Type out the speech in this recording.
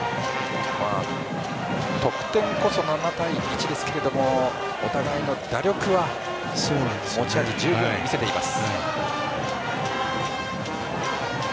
得点こそ７対１ですけれどもお互いの打力は持ち味を十分見せています。